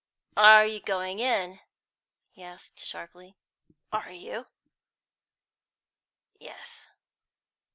"Are you going in?" he said sharply. "Are you?" "Yes."